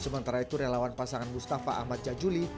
sementara itu relawan pasangan mustafa ahmad jajuli